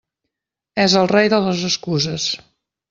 És el rei de les excuses.